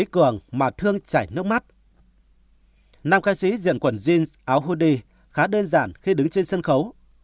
năm ca sĩ diện quần jeans áo hoodie khá đơn giản khi đứng trên sân khấu